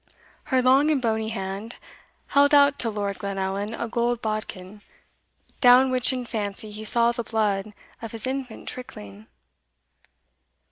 Her long and bony hand held out to Lord Glenallan a gold bodkin, down which in fancy he saw the blood of his infant trickling.